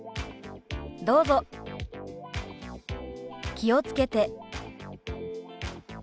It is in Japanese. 「気をつけて」。